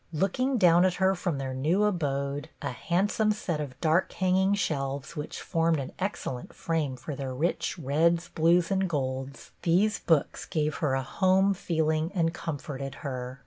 Looking down at her from their new abode, a handsome set of dark hanging shelves which formed an excellent frame for their rich reds, blues, and golds, these books gave her a home feeling and comforted her.